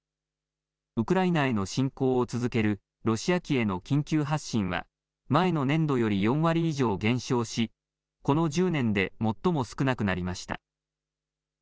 ウクライナへの侵攻を続けるロシア機への緊急発進は前の年度より４割以上減少しこの１０年で最も少なくなりました。